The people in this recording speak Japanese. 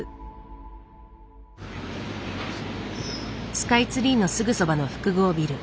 スカイツリーのすぐそばの複合ビル。